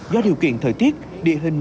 do điều kiện thời tiết địa hình